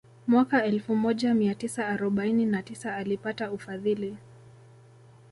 Mwaka elfu moja mia tisa arobaini na tisa alipata ufadhili